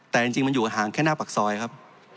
แต่จริงมันอยู่ห่างแค่หน้าปากซอยครับ